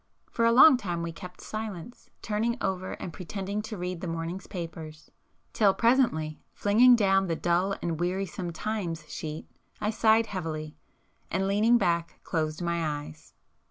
For a long time we kept silence, turning over and pretending to read the morning's papers,—till presently flinging down the dull and wearisome 'Times' sheet, I sighed heavily, and leaning back, closed my eyes.